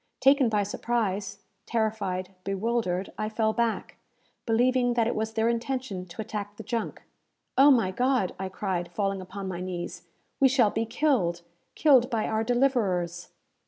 Taken by surprise, terrified, bewildered, I fell back, believing that it was their intention to attack the junk. "Oh, my God!" I cried, falling upon my knees, "we shall be killed killed by our deliverers!"